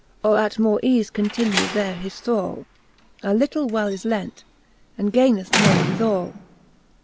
Or at more eafe continue there his thrall : A little well is lent, that gaineth more withall.